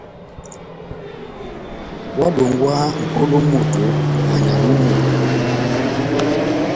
Óhádongwaha mʼpolo mú moto na nyamu mú moto.